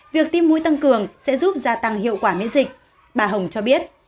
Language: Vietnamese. việc tim mũi tăng cường sẽ giúp gia tăng hiệu quả miễn dịch bà hồng cho biết